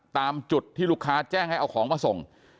ตามจุดที่ลูกค้าแจ้งให้เอาของมาส่ง